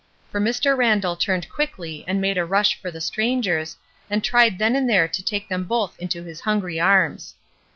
For Mr. Randall turned quickly and made a rush for the strangers, and tried then and there to take them both into his hungry arms.